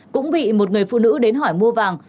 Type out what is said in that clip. cũng bị một người phụ nữ đến hỏi mua vàng